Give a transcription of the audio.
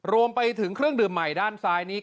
รวมไปถึงเครื่องดื่มใหม่ด้านซ้ายนี้